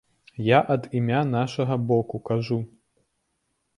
Я ад імя нашага боку кажу.